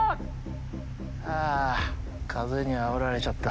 ああ風にあおられちゃった